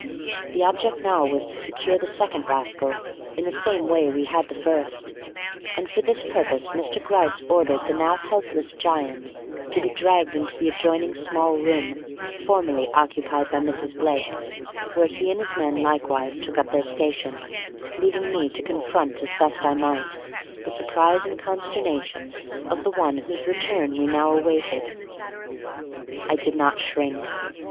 The object now was to secure the second rascal in the same way we had the first; and for this purpose Mr. Gryce ordered the now helpless giant to be dragged into the adjoining small room formerly occupied by Mrs. Blake, where he and his men likewise took up their station leaving me to confront as best I might, the surprise and consternation of the one whose return we now awaited. I did not shrink.